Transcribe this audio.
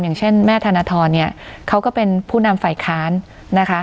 อย่างเช่นแม่ธนทรเขาก็เป็นผู้นำฝ่ายค้าน